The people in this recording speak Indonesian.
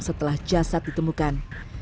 setelah jasad ditemukan